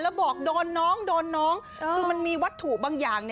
แล้วบอกโดนน้องโดนน้องคือมันมีวัตถุบางอย่าง